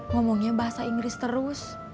ngomongnya bahasa inggris terus